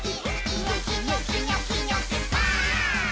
「ニョキニョキニョキニョキバーン！」